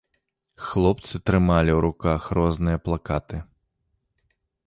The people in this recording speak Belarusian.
Хлопцы трымалі ў руках розныя плакаты.